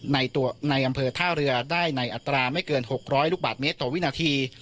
ในอำเภอท่าเรือได้ในอัตราไม่เกิน๖๐๐ลูกบาทเมตรต่อวินาที